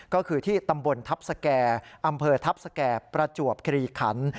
ก็คือที่ตำบลทัพสแก่อำเภอทัพสแก่ประจวบคลีขัน